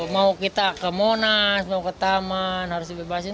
mau kita ke monas mau ke taman harus dibebasin